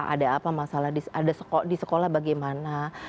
ada apa masalah di sekolah bagaimana